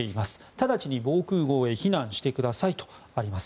直ちに防空壕へ避難してくださいとあります。